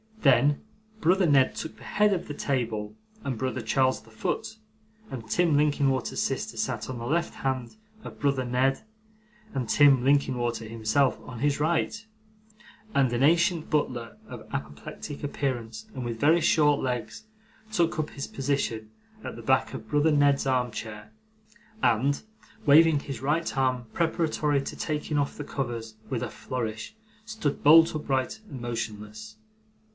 Then, brother Ned took the head of the table, and brother Charles the foot; and Tim Linkinwater's sister sat on the left hand of brother Ned, and Tim Linkinwater himself on his right: and an ancient butler of apoplectic appearance, and with very short legs, took up his position at the back of brother Ned's armchair, and, waving his right arm preparatory to taking off the covers with a flourish, stood bolt upright and motionless.